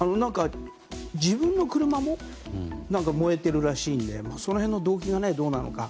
自分の車も燃えているらしいのでその辺の動機がどうなのか。